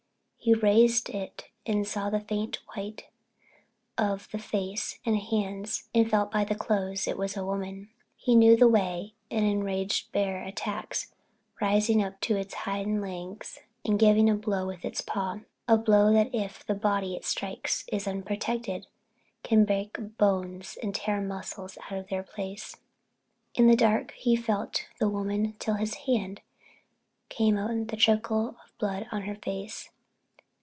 He raised it and saw the faint white of the face and hands and felt by the clothes it was a woman. He knew the way an enraged bear attacks—rising up to its hind legs and giving a blow with its paw, a blow that if the body it strikes is unprotected, can break bones and tear muscles out of their place. In the dark he felt the woman till his hand came on the trickle of blood on her face.